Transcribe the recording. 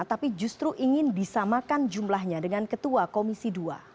tapi justru ingin disamakan jumlahnya dengan ketua komisi dua